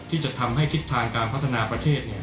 ที่จะทำให้ทิศทางการพัฒนาประเทศ